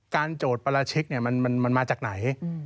โจทย์ประราชิกมันมาจากไหน